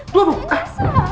gue gak salah